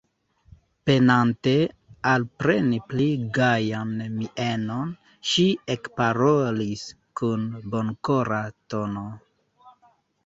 Penante alpreni pli gajan mienon, ŝi ekparolis kun bonkora tono: